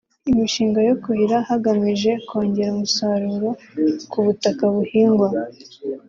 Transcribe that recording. imishinga yo kuhira hagamije kongera umusaruro ku butaka buhingwa